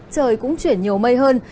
trời cũng chuyển nhiều mây hơn